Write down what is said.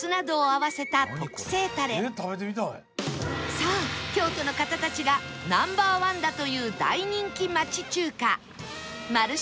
さあ京都の方たちがナンバーワンだという大人気町中華マルシン飯店